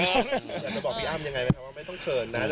อยากจะบอกพี่อ้ำยังไงไหมครับว่าไม่ต้องเชิญนะ